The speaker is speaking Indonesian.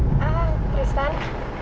ah pak tristan